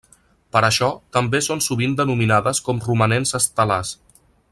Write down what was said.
Per això també són sovint denominades com romanents estel·lars.